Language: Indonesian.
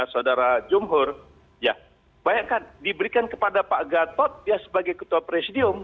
saudara jumhur ya banyak kan diberikan kepada pak gatot ya sebagai ketua presidium